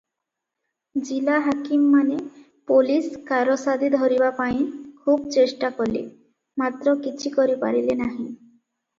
ଜିଲା ହାକିମମାନେ ପୋଲିଶ କାରସାଦି ଧରିବାପାଇଁ ଖୁବ ଚେଷ୍ଟା କଲେ; ମାତ୍ର କିଛି କରି ପାରିଲେ ନାହିଁ ।